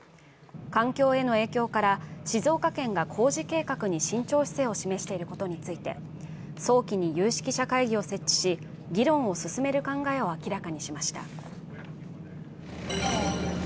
環境への影響から、静岡県が工事計画に慎重姿勢を示していることについて、早期に有識者会議を設置し議論を進める考えを明らかにしました。